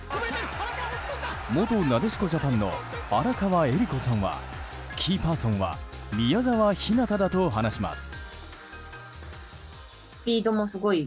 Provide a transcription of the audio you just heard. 元なでしこジャパンの荒川恵理子さんはキーパーソンは宮澤ひなただと話します。